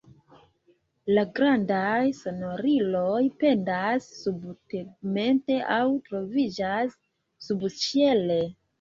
La grandaj sonoriloj pendas subtegmente aŭ troviĝas subĉiele.